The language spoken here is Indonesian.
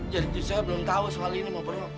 jadi cucu saya belum tahu soal ini mo pro